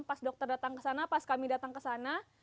pas dokter datang ke sana pas kami datang ke sana